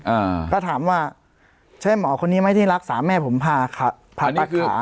อ่าก็ถามว่าใช่หมอคนนี้ไหมที่รักษาแม่ผมพาพา